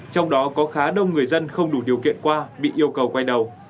trong đó có khá đông người dân không đủ điều kiện qua bị yêu cầu quay đầu